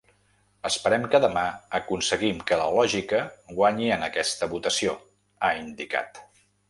Esperem que demà aconseguim que la lògica guanyi en aquesta votació, ha indicat.